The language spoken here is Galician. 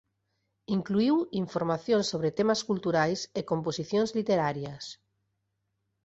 Incluíu información sobre temas culturais e composicións literarias.